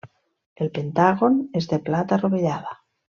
El pentàgon és de plata rovellada.